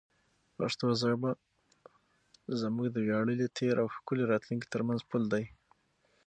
پښتو ژبه زموږ د ویاړلي تېر او ښکلي راتلونکي ترمنځ پل دی.